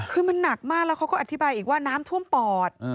คือมันหนักมากแล้วเขาก็อธิบายอีกว่าน้ำท่วมปอด